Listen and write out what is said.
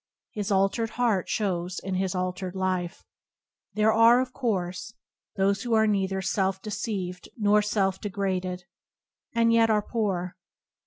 His altered heart shows in his altered life. There are, of course, those who are nei ther self deceived nor self degraded, and yet are poor.